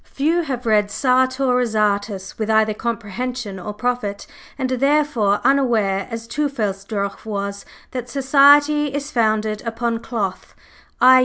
Few have read Sartor Resartus with either comprehension or profit, and are therefore unaware, as Teufelsdröckh was, that "Society is founded upon Cloth" _i.